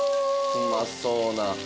うまそうな。